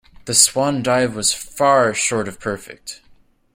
The swan dive was far short of perfect.